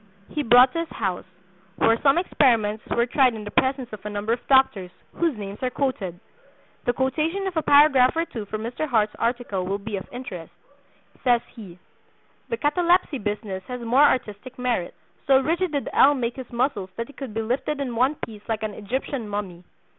he brought to his house, where some experiments were tried in the presence of a number of doctors, whose names are quoted. The quotation of a paragraph or two from Mr. Hart's article will be of interest. Says he: "The 'catalepsy business' had more artistic merit. So rigid did L. make his muscles that he could be lifted in one piece like an Egyptian mummy.